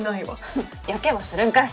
フッ焼けはするんかい。